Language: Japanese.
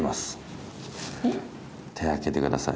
手開けてください。